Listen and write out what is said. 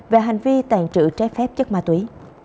về hành vi tàn trữ trái phép chất ma túy